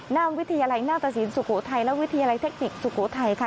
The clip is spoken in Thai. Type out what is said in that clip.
หน้าวิทยาลัยหน้าตสินสุโขทัยและวิทยาลัยเทคนิคสุโขทัยค่ะ